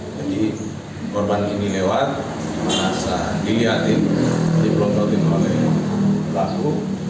jadi korban ini lewat merasa dilihatin dipelontokin oleh pelaku